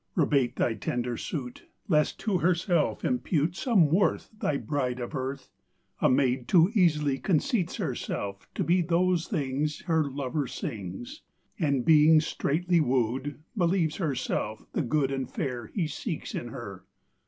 Rebate Thy tender suit, Lest to herself impute Some worth Thy bride of earth! A maid too easily Conceits herself to be Those things Her lover sings; And being straitly wooed, Believes herself the Good And Fair He seeks in her.